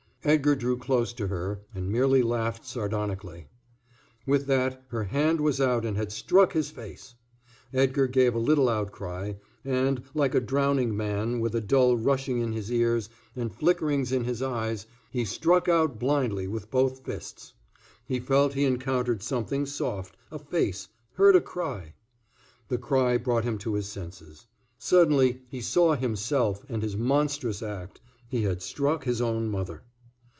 Edgar drew close to her and merely laughed sardonically. With that her hand was out and had struck his face. Edgar gave a little outcry, and, like a drowning man, with a dull rushing in his ears and flickerings in his eyes, he struck out blindly with both fists. He felt he encountered something soft, a face, heard a cry.... The cry brought him to his senses. Suddenly he saw himself and his monstrous act he had struck his own mother.